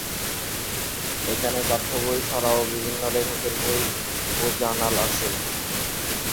এখানে পাঠ্যবই ছাড়াও বিভিন্ন লেখকের বই ও জার্নাল আছে।